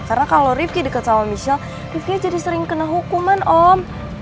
karena kalo rifki deket sama michelle rifki jadi sering kena hukuman om